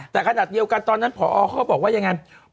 เหล่าการตอนนั้นผว่าเจ้าการบอกว่าอย่างงั้น